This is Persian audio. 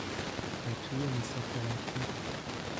پتوی مسافرتی